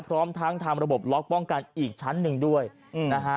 พร้อมทั้งทำระบบล็อกป้องกันอีกชั้นหนึ่งด้วยนะฮะ